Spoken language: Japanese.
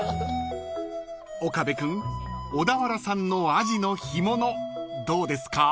［岡部君小田原産のアジの干物どうですか？］